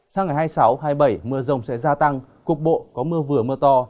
sang ngày hai mươi sáu hai mươi bảy mưa rồng sẽ gia tăng cục bộ có mưa vừa mưa to